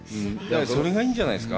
それがいいんじゃないですか。